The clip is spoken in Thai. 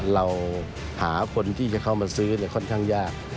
เราหาคนที่จะเข้ามาซื้อค่อนข้างยาก